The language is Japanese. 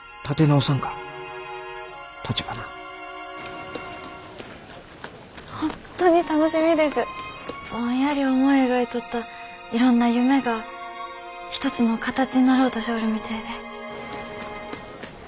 ぼんやり思い描いとったいろんな夢が一つの形になろうとしょおるみてえで。